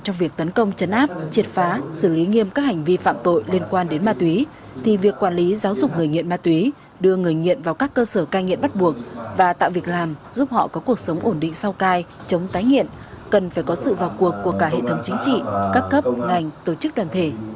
trong việc tấn công chấn áp triệt phá xử lý nghiêm các hành vi phạm tội liên quan đến ma túy thì việc quản lý giáo dục người nghiện ma túy đưa người nghiện vào các cơ sở cai nghiện bắt buộc và tạo việc làm giúp họ có cuộc sống ổn định sau cai chống tái nghiện cần phải có sự vào cuộc của cả hệ thống chính trị các cấp ngành tổ chức đoàn thể